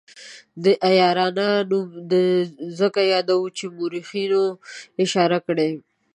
د عیارانو نوم ځکه یادوو چې مورخینو اشاره کړې.